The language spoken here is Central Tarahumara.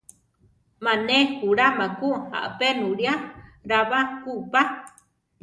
Má ne juláma ku apénulia ra ba kú pa.